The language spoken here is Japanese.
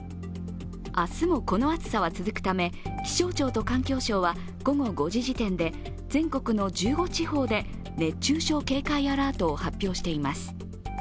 明日もこの暑さは続くため気象庁と環境省は、午後５時時点で全国の１５地方で熱中症警戒アラートを発表しています。